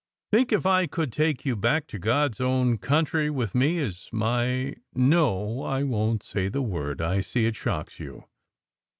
Think, if I could take you back to God s own country with me as my no, I won t say the word. I see it shocks you."